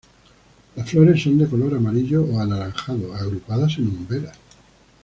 Las flores son de color amarillo o anaranjado agrupadas en umbelas.